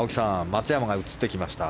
松山が映ってきました。